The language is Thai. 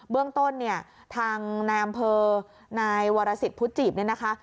เรื่องต้นเนี่ยทางนายอำเภอนายวรสิตพุทธจีบเนี่ยนะคะ